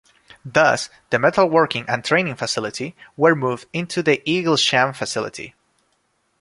Thus the metalworking and training facility were moved into the Eaglesham facility.